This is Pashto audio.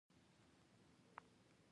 سيمسارې يوازې دوړه پرېښوده.